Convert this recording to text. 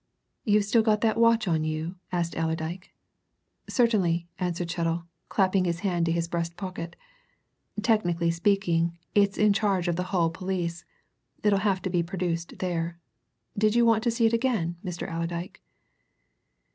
"You've still got that watch on you?" asked Allerdyke. "Certainly," answered Chettle, clapping his hand to his breast pocket. "Technically speaking, it's in charge of the Hull police it'll have to be produced there. Did you want to see it again, Mr. Allerdyke?"